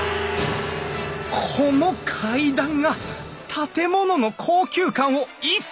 この階段が建物の高級感を一層高めている。